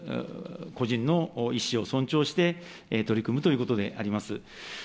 個人の意思を尊重して、取り組むということであります。